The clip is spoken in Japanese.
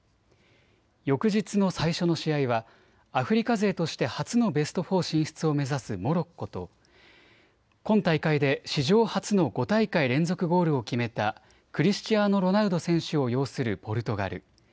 翌日の最初の試合はアフリカ勢として初のベスト４進出を目指すモロッコと、今大会で史上初の５大会連続ゴールを決めたクリスチアーノ・ロナウド選手を擁するポルトガル。